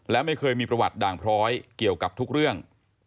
และไม่เคยมีประวัติด่างพร้อยเกี่ยวกับทุกเรื่อง